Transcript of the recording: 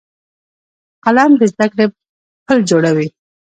قلم د زده کړې پل جوړوي